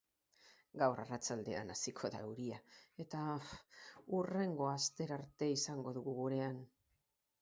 Gaur arratsaldean hasiko da euria, eta hurrengo astera arte izango dugu gurean.